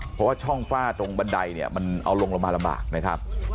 เพราะว่าช่องฝ้าตรงบันไดเนี่ยมันเอาลงลงมาลำบากนะครับ